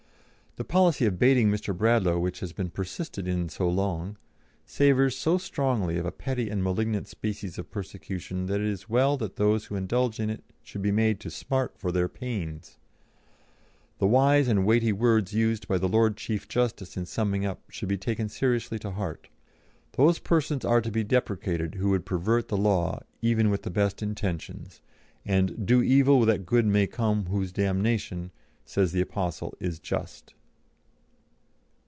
The policy of baiting Mr. Bradlaugh which has been persisted in so long, savours so strongly of a petty and malignant species of persecution that it is well that those who indulge in it should be made to smart for their pains. The wise and weighty words used by the Lord Chief Justice in summing up should be taken seriously to heart: 'Those persons are to be deprecated who would pervert the law, even with the best intentions, and "do evil that good may come, whose damnation" (says the apostle) "is just."'